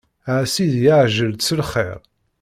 A sidi ɛjel-d s lxir.